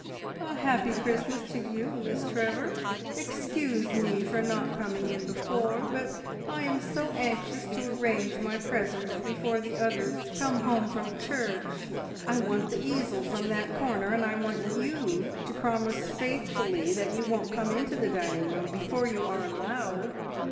"A happy Christmas to you, Miss Trevor! Excuse me for not coming in before, but I am so anxious to arrange my presents before the others come home from church. I want the easel from that corner, and I want you to promise faithfully that you won't come into the dining room before you are allowed!"